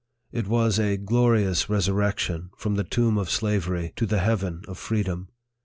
It was a glorious resurrection, from the tomb of slavery, to the heaven of freedom.